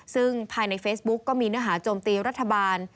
ซึ่งภายในเฟซบุ๊กก็มีเนื้อหาโจมตีรัฐบาล